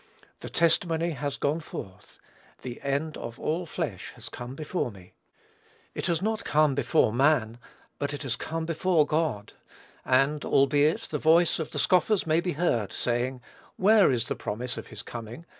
The testimony has gone forth. "The end of all flesh has come before me." It has not come before man; but it has come before God: and, albeit, the voice of the scoffers may be heard, saying, "Where is the promise of his coming?